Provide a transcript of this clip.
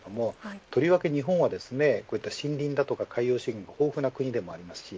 とりわけ日本は森林だとか海洋資源が豊富な国でもあります。